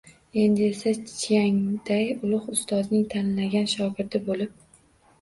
Endi esa Chiangday Ulug‘ Ustozning tanlagan shogirdi bo‘lib